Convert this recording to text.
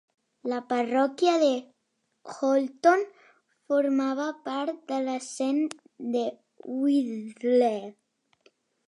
La parròquia de Holton formava part de les Cent de Whitley.